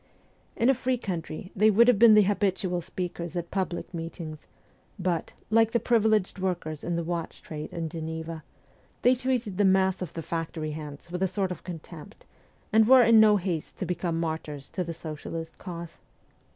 In a free country they would have been the habitual speakers at public meetings ; but, like the privileged workers of the watch trade in Geneva, they treated the mass of the factory hands with a sort of contempt, anc| were in no haste to become martyrs to the socialist cause.